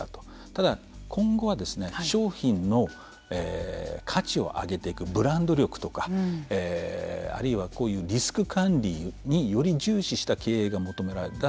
ただ、今後は商品の価値を上げていくブランド力とかあるいはリスク管理により重視した経営が求められる。